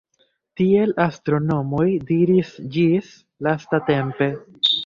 Tiel astronomoj diris ĝis lastatempe.